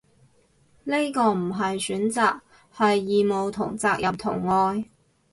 呢個唔係選擇，係義務同責任同愛